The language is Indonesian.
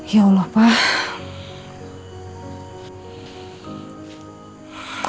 ya allah pak